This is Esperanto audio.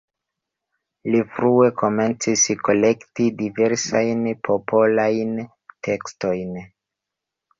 Li frue komencis kolekti diversajn popolajn tekstojn.